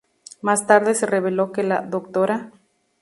Más tarde se reveló que la Dra.